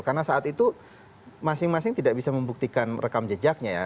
karena saat itu masing masing tidak bisa membuktikan rekam jejaknya ya